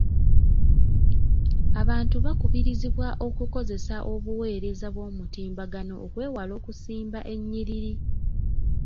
Abantu bakubirizibwa okukozesa obuweereza bw'omutimbagano okwewala okusimba ennyiriri.